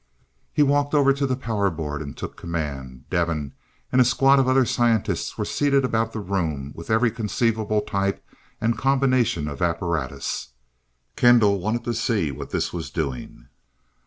He walked over to the power board, and took command. Devin, and a squad of other scientists were seated about the room with every conceivable type and combination of apparatus. Kendall wanted to see what this was doing.